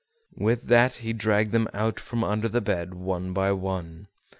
With that he dragged them out from under the bed one by one.